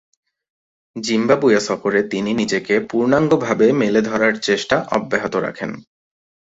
Zimbabwe সফরে তিনি নিজেকে পূর্ণাঙ্গভাবে মেলে ধরার চেষ্টা অব্যাহত রাখেন।